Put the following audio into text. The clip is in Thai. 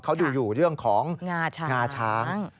เขาดูอยู่เรื่องของงาช้าง